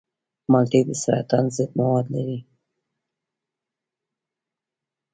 مالټې د سرطان ضد مواد لري.